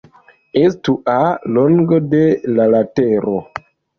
Estu "a" longo de la latero.